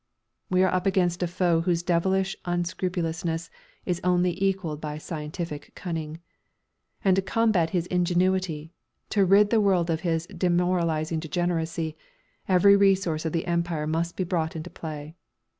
We are up against a foe whose devilish unscrupulousness is only equalled by scientific cunning. And to combat his ingenuity, to rid the world of his demoralising degeneracy, every resource of the Empire must be brought into play.